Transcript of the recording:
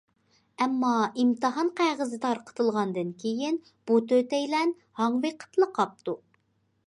ئەمما ئىمتىھان قەغىزى تارقىتىلغاندىن كېيىن بۇ تۆتەيلەن ھاڭۋېقىپلا قاپتۇ.